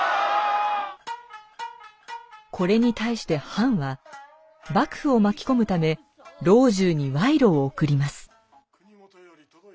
これに対して藩は幕府を巻き込むため老中にワイロを贈ります。